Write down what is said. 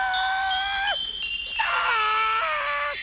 きた！